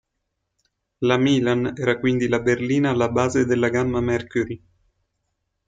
La Milan era quindi la berlina alla base della gamma Mercury.